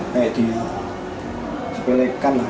kayak dipelekan lah